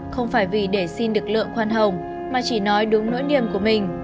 không phải vì để xin được lượng khoan hồng mà chỉ nói đúng nỗi niềm của mình